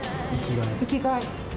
生きがい。